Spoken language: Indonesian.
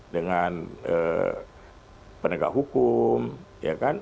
dengan penegak hukum ya kan